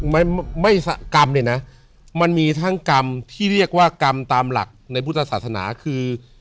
ไม่ไม่กรรมเนี่ยนะมันมีทั้งกรรมที่เรียกว่ากรรมตามหลักในพุทธศาสนาคือ